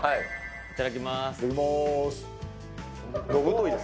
いただきます。